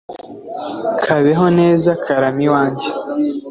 kabeho neza karame iwanjye